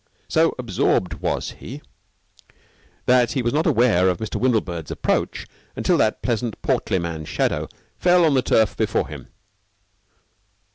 So absorbed was he in his troubles that he was not aware of Mr. Windlebird's approach until that pleasant, portly man's shadow fell on the turf before him.